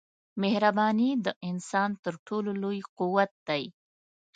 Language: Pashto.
مهرباني د انسان تر ټولو لوی قوت دی.